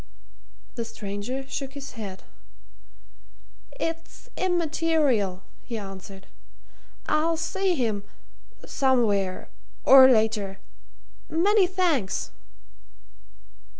The stranger shook his head. "It's immaterial," he answered. "I'll see him somewhere or later. Many thanks."